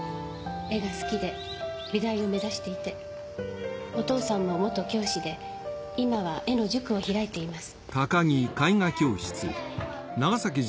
絵が好きで美大を目指していてお父さんも元教師で今は絵の塾を開いています。